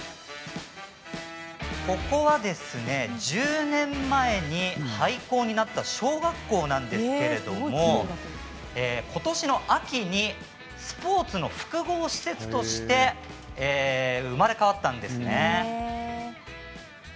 ここはですね、１０年前に廃校になった小学校なんですけれども今年の秋にスポーツの複合施設として生まれ変わったんですね。